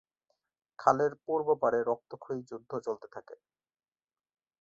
খালের পূর্ব পারে রক্তক্ষয়ী যুদ্ধ চলতে থাকে।